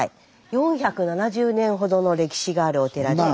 ４７０年ほどの歴史があるお寺で。